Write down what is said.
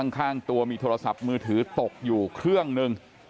ข้างตัวมีโทรศัพท์มือถือตกอยู่เครื่องหนึ่ง